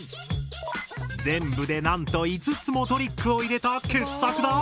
全部でなんと５つもトリックを入れた傑作だ。